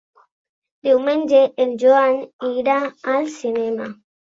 Diumenge en Joan irà al cinema.